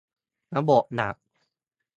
ระบบหลัก